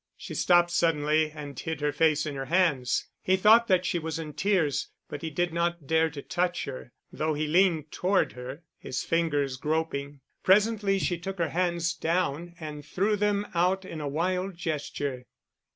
She stopped suddenly, and hid her face in her hands. He thought that she was in tears but he did not dare to touch her, though he leaned toward her, his fingers groping. Presently she took her hands down and threw them out in a wild gesture.